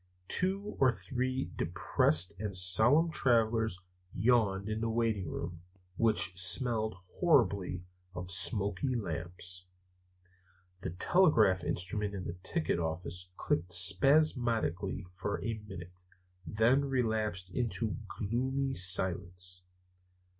Two or three depressed and somnolent travelers yawned in the waiting room, which smelled horribly of smoky lamps. The telegraph instrument in the ticket office clicked spasmodically for a minute, and then relapsed into a gloomy silence.